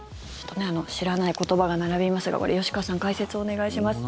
知らない言葉が並びますが吉川さん、解説をお願いします。